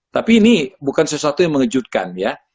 tapi ini bukan sesuatu yang mengejutkan ya